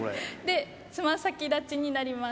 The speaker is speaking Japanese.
で爪先立ちになります。